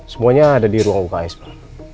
semuanya ada di ruang buka es pak